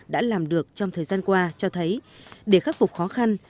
đã làm được trong thời gian qua cho thấy để khắc phục khó khăn